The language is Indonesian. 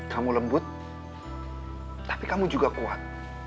kamu lembut tapi kamu juga kuat